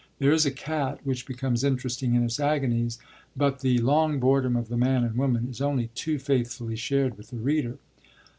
There is a cat which becomes interesting in its agonies; but the long boredom of the man and woman is only too faithfully shared with the reader.